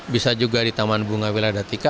bisa juga di taman bunga wiladatika